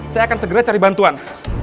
saya akan segera cari bantuan